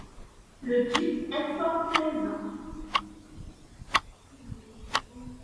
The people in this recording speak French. Le duc est fort plaisant.